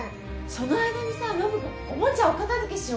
その間にさノブ君おもちゃお片付けしよっか。